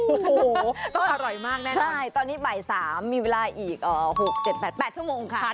โอ้โหต้องอร่อยมากแน่ตอนนี้บ่าย๓มีเวลาอีก๖๗๘๘ชั่วโมงค่ะ